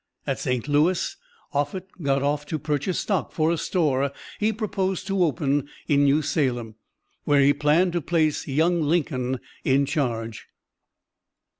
At St. Louis, Offutt got off to purchase stock for a store he proposed to open in New Salem, where he planned to place young Lincoln in charge.